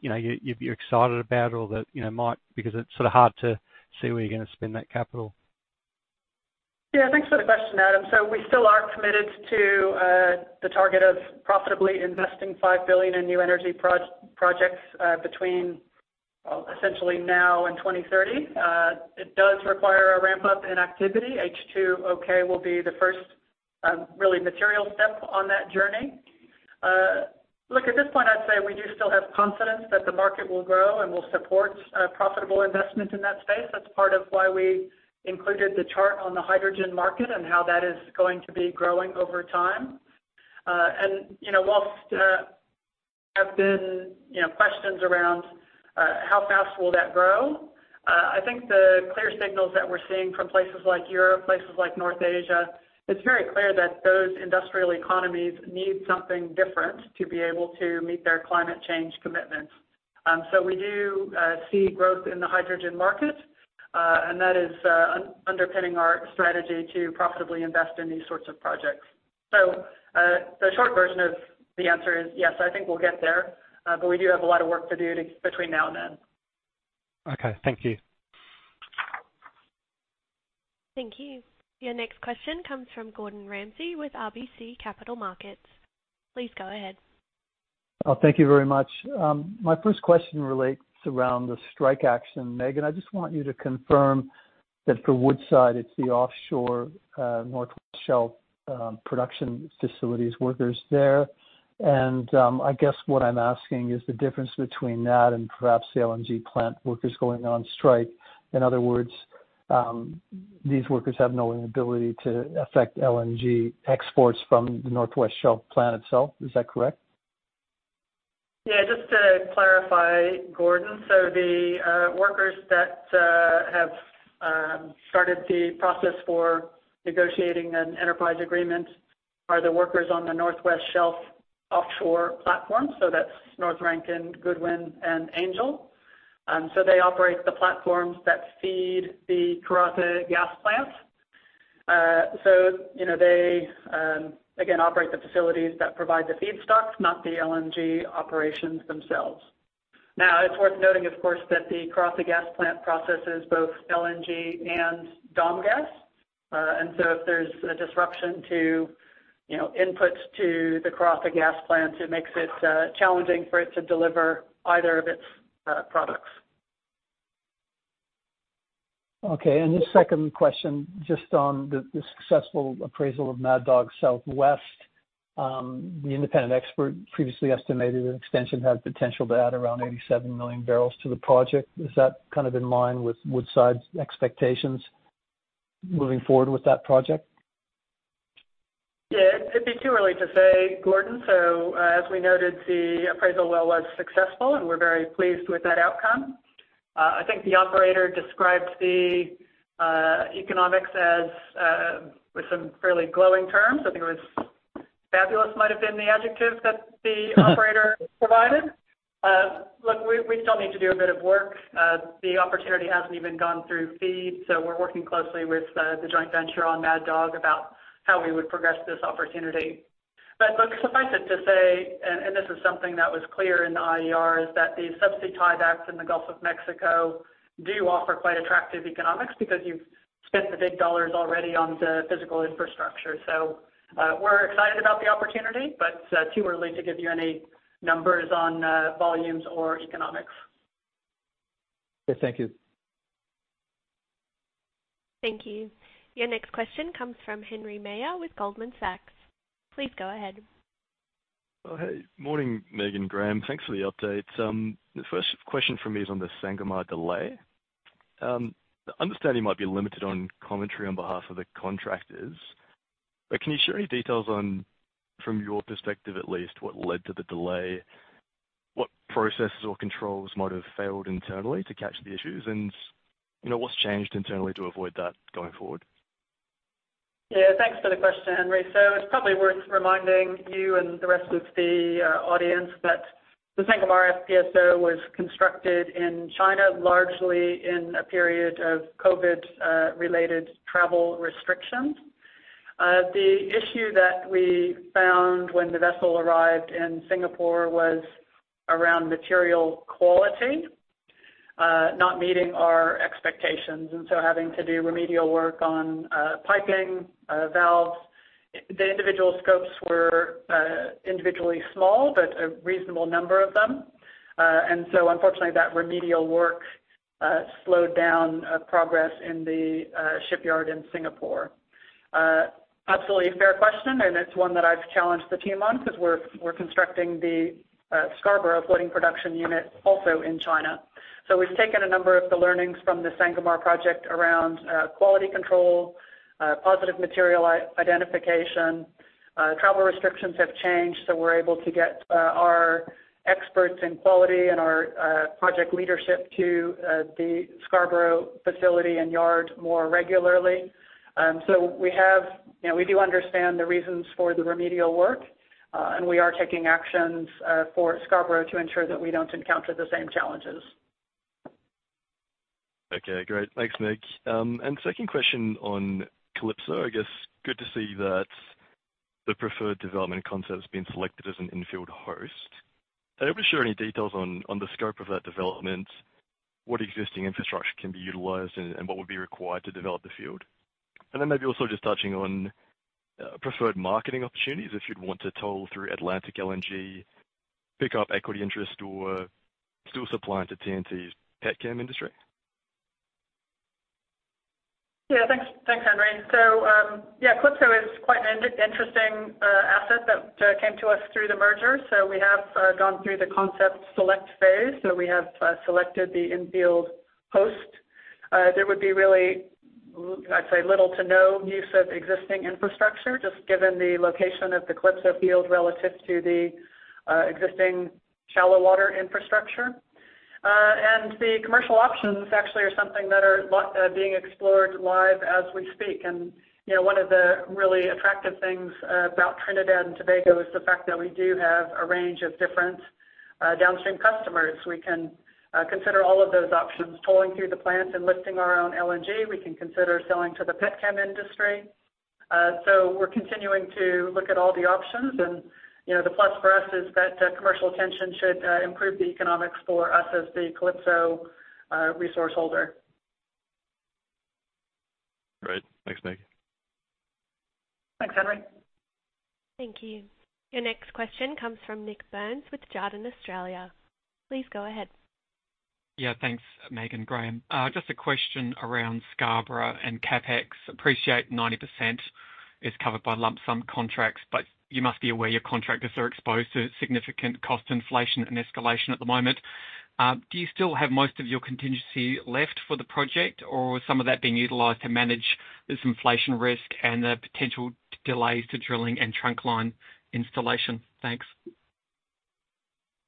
you know, you, you're excited about or that, you know, because it's sort of hard to see where you're gonna spend that capital. Yeah, thanks for the question, Adam. We still are committed to the target of profitably investing $5 billion in new energy projects between, well, essentially now and 2030. It does require a ramp up in activity. H2OK will be the first really material step on that journey. Look, at this point, I'd say we do still have confidence that the market will grow and will support profitable investment in that space. That's part of why we included the chart on the hydrogen market and how that is going to be growing over time. You know, whilst have been, you know, questions around how fast will that grow, I think the clear signals that we're seeing from places like Europe, places like North Asia, it's very clear that those industrial economies need something different to be able to meet their climate change commitments. We do see growth in the hydrogen market. That is underpinning our strategy to profitably invest in these sorts of projects. The short version of the answer is yes, I think we'll get there, but we do have a lot of work to do between now and then. Okay. Thank you. Thank you. Your next question comes from Gordon Ramsay with RBC Capital Markets. Please go ahead. Oh, thank you very much. My first question relates around the strike action. Megan, I just want you to confirm that for Woodside, it's the offshore North West Shelf production facilities workers there. I guess what I'm asking is the difference between that and perhaps the LNG plant workers going on strike. In other words, these workers have no inability to affect LNG exports from the North West Shelf plant itself. Is that correct? Yeah, just to clarify, Gordon, so the workers that have started the process for negotiating an enterprise agreement are the workers on the North West Shelf offshore platform, so that's North Rankin, Goodwyn, and Angel. They operate the platforms that feed the Karratha Gas Plant. You know, they again, operate the facilities that provide the feedstocks, not the LNG operations themselves. Now, it's worth noting, of course, that the Karratha Gas Plant processes both LNG and domestic gas. If there's a disruption to, you know, inputs to the Karratha Gas Plant, it makes it challenging for it to deliver either of its products. Okay. The second question, just on the, the successful appraisal of Mad Dog Southwest. The independent expert previously estimated an extension had potential to add around 87 million barrels to the project. Is that kind of in line with Woodside's expectations moving forward with that project? Yeah. It'd be too early to say, Gordon. As we noted, the appraisal well was successful, and we're very pleased with that outcome. I think the operator described the economics as with some fairly glowing terms. I think it was fabulous, might have been the adjective that the operator provided. Look, we, we still need to do a bit of work. The opportunity hasn't even gone through FEED, so we're working closely with the joint venture on Mad Dog about how we would progress this opportunity. Look, suffice it to say, and, and this is something that was clear in the IER, is that the subsea tiebacks in the Gulf of Mexico do offer quite attractive economics because you've spent the big dollars already on the physical infrastructure. We're excited about the opportunity, but too early to give you any numbers on volumes or economics. Okay. Thank you. Thank you. Your next question comes from Henry Meyer with Goldman Sachs. Please go ahead. Oh, hey. Morning, Megan Graham. Thanks for the updates. The first question from me is on the Sangomar delay. The understanding might be limited on commentary on behalf of the contractors, but can you share any details on, from your perspective at least, what led to the delay? What processes or controls might have failed internally to catch the issues? You know, what's changed internally to avoid that going forward? Yeah, thanks for the question, Henry. It's probably worth reminding you and the rest of the audience that the Sangomar FPSO was constructed in China, largely in a period of COVID related travel restrictions. The issue that we found when the vessel arrived in Singapore was around material quality, not meeting our expectations, and so having to do remedial work on piping, valves. The individual scopes were individually small, but a reasonable number of them. Unfortunately, that remedial work slowed down progress in the shipyard in Singapore. Absolutely a fair question, and it's one that I've challenged the team on because we're constructing the Scarborough floating production unit also in China. We've taken a number of the learnings from the Sangomar project around quality control, positive material identification. Travel restrictions have changed, so we're able to get our experts in quality and our project leadership to the Scarborough facility and yard more regularly. We have, you know, we do understand the reasons for the remedial work, and we are taking actions for Scarborough to ensure that we don't encounter the same challenges. Okay, great. Thanks, Meg. Second question on Calypso. I guess, good to see that the preferred development concept has been selected as an infill host. Are you able to share any details on, on the scope of that development, what existing infrastructure can be utilized, and, and what would be required to develop the field? Then maybe also just touching on, preferred marketing opportunities, if you'd want to toll through Atlantic LNG, pick up equity interest or still supplying to TT's pet chem industry. Yeah, thanks. Thanks, Henry. Calypso is quite an interesting asset that came to us through the merger, so we have gone through the concept select phase. We have selected the infill host. There would be really, I'd say, little to no use of existing infrastructure, just given the location of the Calypso field relative to the existing shallow water infrastructure. The commercial options actually are something that are being explored live as we speak. You know, one of the really attractive things about Trinidad and Tobago is the fact that we do have a range of different downstream customers. We can consider all of those options, tolling through the plants and lifting our own LNG. We can consider selling to the petrochemical industry. We're continuing to look at all the options, and, you know, the plus for us is that commercial tension should improve the economics for us as the Calypso resource holder. Great. Thanks, Meg. Thanks, Henry. Thank you. Your next question comes from Nik Burns with Jarden Australia. Please go ahead. Yeah, thanks, Megan Graham. Just a question around Scarborough and CapEx. Appreciate 90% is covered by lump sum contracts, but you must be aware your contractors are exposed to significant cost inflation and escalation at the moment. Do you still have most of your contingency left for the project, or is some of that being utilized to manage this inflation risk and the potential delays to drilling and trunk line installation? Thanks.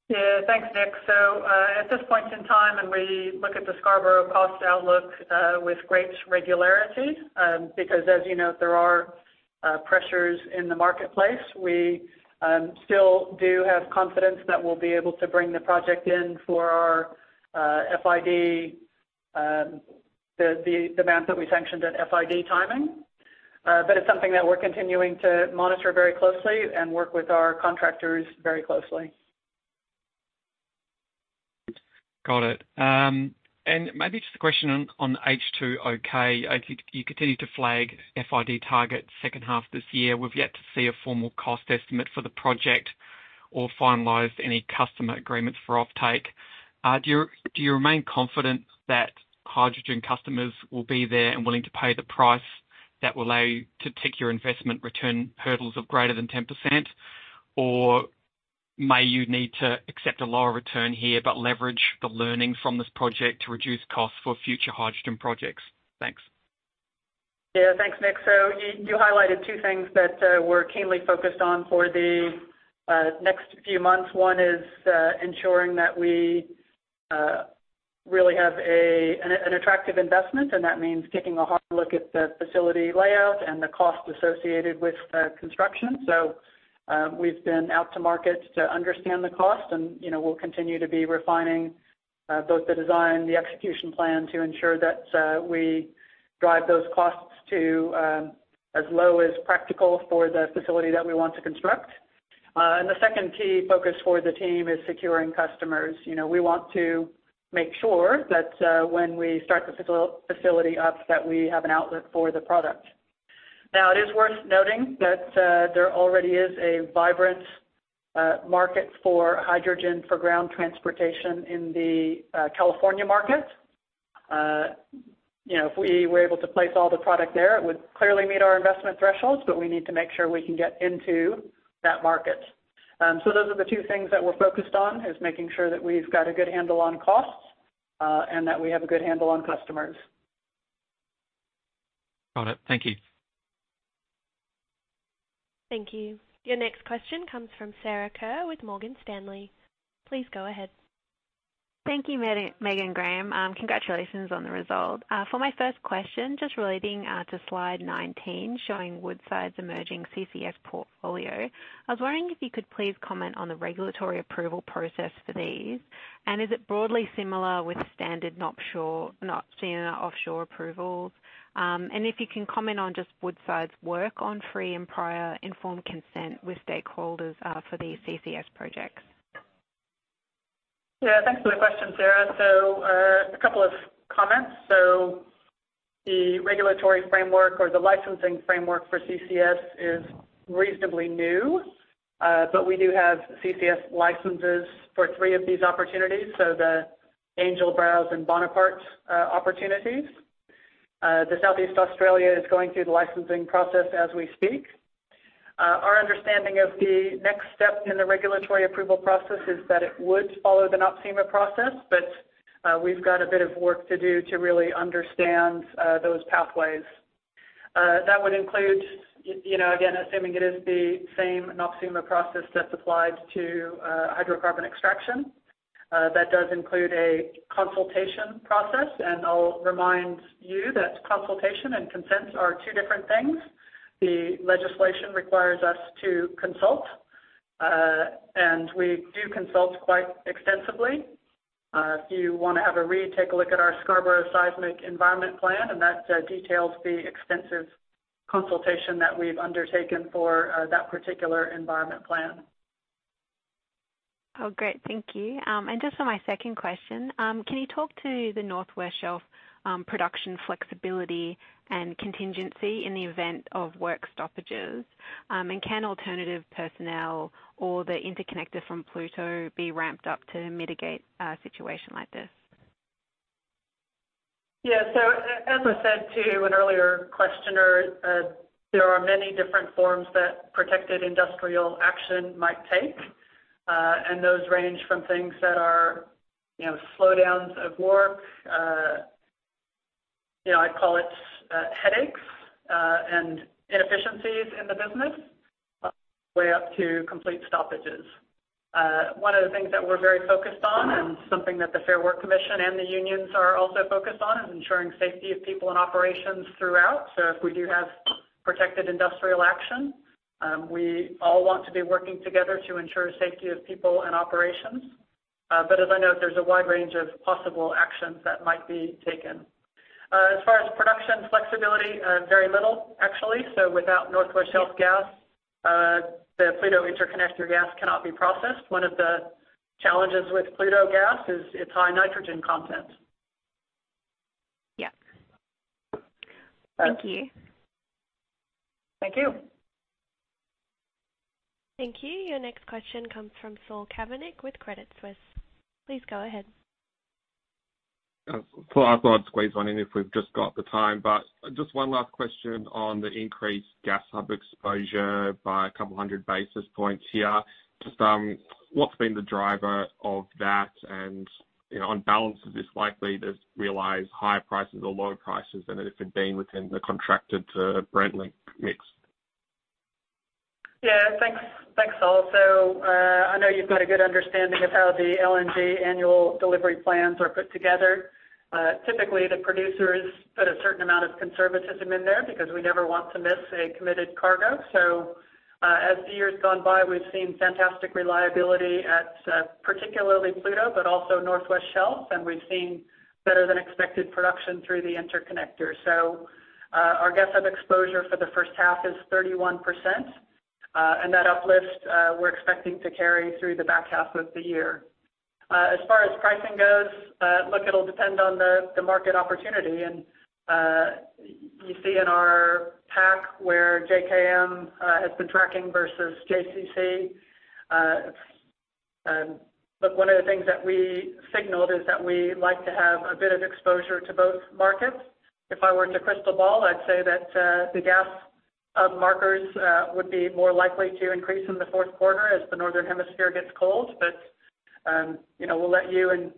Yeah, thanks, Nik. At this point in time, and we look at the Scarborough cost outlook with great regularity, because as you know, there are pressures in the marketplace. We still do have confidence that we'll be able to bring the project in for our FID, the amounts that we sanctioned at FID timing. It's something that we're continuing to monitor very closely and work with our contractors very closely. Got it. Maybe just a question on H2OK. I think you continue to flag FID target second half this year. We've yet to see a formal cost estimate for the project or finalize any customer agreements for offtake. Do you, do you remain confident that hydrogen customers will be there and willing to pay the price that will allow you to tick your investment return hurdles of greater than 10%? May you need to accept a lower return here, but leverage the learnings from this project to reduce costs for future hydrogen projects? Thanks. Yeah, thanks, Nik. You, you highlighted two things that we're keenly focused on for the next few months. One is ensuring that we really have an attractive investment, and that means taking a hard look at the facility layout and the cost associated with construction. We've been out to market to understand the cost, and, you know, we'll continue to be refining both the design, the execution plan to ensure that we drive those costs to as low as practical for the facility that we want to construct. The second key focus for the team is securing customers. You know, we want to make sure that when we start the facility up, that we have an outlet for the product. It is worth noting that there already is a vibrant market for hydrogen, for ground transportation in the California market. You know, if we were able to place all the product there, it would clearly meet our investment thresholds, but we need to make sure we can get into that market. Those are the two things that we're focused on, is making sure that we've got a good handle on costs, and that we have a good handle on customers. Got it. Thank you. Thank you. Your next question comes from Sarah Kerr with Morgan Stanley. Please go ahead. Thank you, Me- Megan Graham. Congratulations on the result. For my first question, just relating to slide 19, showing Woodside's emerging CCS portfolio, I was wondering if you could please comment on the regulatory approval process for these, and is it broadly similar with standard NOPSEMA offshore approvals? If you can comment on just Woodside's work on free and prior informed consent with stakeholders, for these CCS projects? Yeah, thanks for the question, Sarah. A couple of comments. The regulatory framework or the licensing framework for CCS is reasonably new, but we do have CCS licenses for three of these opportunities, so the Angel, Browse, and Bonaparte opportunities. The Southeast Australia is going through the licensing process as we speak. Our understanding of the next step in the regulatory approval process is that it would follow the NOPSEMA process, but we've got a bit of work to do to really understand those pathways. That would include, you know, again, assuming it is the same NOPSEMA process that's applied to hydrocarbon extraction, that does include a consultation process, and I'll remind you that consultation and consents are two different things. The legislation requires us to consult, and we do consult quite extensively. If you want to have a read, take a look at our Scarborough Seismic Environment Plan. That details the extensive consultation that we've undertaken for that particular environment plan. Oh, great. Thank you. Just on my second question, can you talk to the North West Shelf, production flexibility and contingency in the event of work stoppages? Can alternative personnel or the interconnector from Pluto be ramped up to mitigate a situation like this? Yeah. As I said to an earlier questioner, there are many different forms that protected industrial action might take, and those range from things that are, you know, slowdowns of work, you know, I'd call it, headaches, and inefficiencies in the business, all the way up to complete stoppages. One of the things that we're very focused on, and something that the Fair Work Commission and the unions are also focused on, is ensuring safety of people and operations throughout. If we do have protected industrial action, we all want to be working together to ensure safety of people and operations. As I note, there's a wide range of possible actions that might be taken. As far as production flexibility, very little actually. Without North West Shelf Gas, the Pluto-KGP Interconnector gas cannot be processed. One of the challenges with Pluto gas is its high nitrogen content. Yeah. So Thank you. Thank you. Thank you. Your next question comes from Saul Kavanagh with Credit Suisse. Please go ahead. Saul, I thought I'd squeeze one in if we've just got the time, but just one last question on the increased gas hub exposure by a couple hundred basis points here. Just what's been the driver of that? You know, on balance, is this likely to realize higher prices or lower prices than it had been within the contracted Brent link mix? Yeah, thanks. Thanks, Saul. I know you've got a good understanding of how the LNG annual delivery plans are put together. Typically, the producers put a certain amount of conservatism in there because we never want to miss a committed cargo. As the years gone by, we've seen fantastic reliability at particularly Pluto, but also Northwest Shelf, and we've seen better than expected production through the Interconnector. Our gas hub exposure for the first half is 31%, and that uplift, we're expecting to carry through the back half of the year. As far as pricing goes, look, it'll depend on the market opportunity. You see in our pack where JKM has been tracking versus JCC. things that we signaled is that we like to have a bit of exposure to both markets. If I were to crystal ball, I'd say that the gas markers would be more likely to increase in the fourth quarter as the northern hemisphere gets cold. But, you know, we'll let you and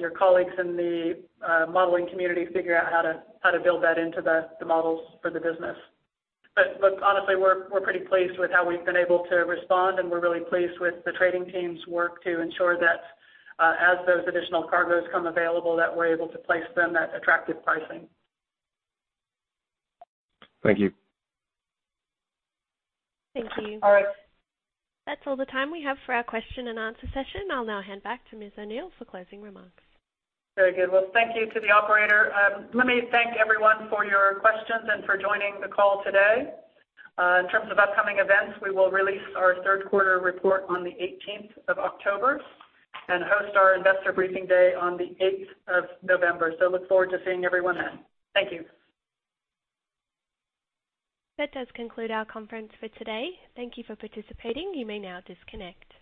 your colleagues in the modeling community figure out how to, how to build that into the models for the business. But look, honestly, we're, we're pretty pleased with how we'.e been able to respond, and we're really pleased with the trading team's work to ensure that as those additional cargoes come available, that we're able to place them at attractive pricing. Thank you. Thank you. All right. That's all the time we have for our question and answer session. I'll now hand back to Ms. O'Neill for closing remarks. Very good. Well, thank you to the operator. Let me thank everyone for your questions and for joining the call today. In terms of upcoming events, we will release our third quarter report on the 18th of October, and host our Investor Briefing Day on the 8th of November. Look forward to seeing everyone then. Thank you. That does conclude our conference for today. Thank you for participating. You may now disconnect.